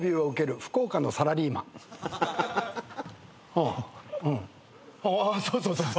そうそうそうそう！